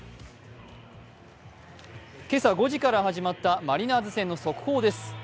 今朝５時から始まったマリナーズ戦の速報です。